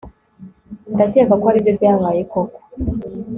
ndakeka ko aribyo byabaye koko